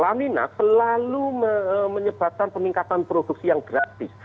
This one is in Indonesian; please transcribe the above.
lamina pelalu menyebabkan peningkatan produksi yang gratis